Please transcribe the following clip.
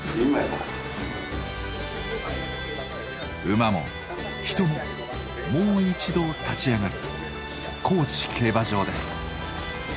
馬も人ももう一度立ち上がる高知競馬場です。